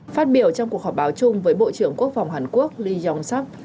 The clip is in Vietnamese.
phát biểu trong cuộc họp báo chung với bộ trưởng quốc phòng hàn quốc lee jong sup